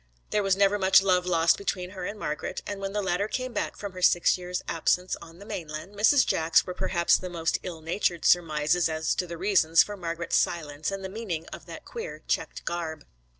There was never much love lost between her and Margret, and when the latter came back from her six years' absence on the mainland, Mrs. Jack's were perhaps the most ill natured surmises as to the reasons for Margret's silence and the meaning of that queer checked garb.